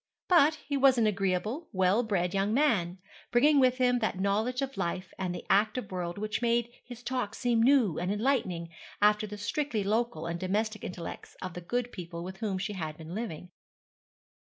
But he was an agreeable, well bred young man, bringing with him that knowledge of life and the active world which made his talk seem new and enlightening after the strictly local and domestic intellects of the good people with whom she had been living.